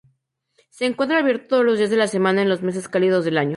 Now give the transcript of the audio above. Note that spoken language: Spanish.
Se encuentra abierto todos días de la semana en los meses cálidos del año.